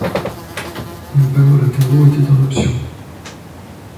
Les panneaux latéraux étaient en option.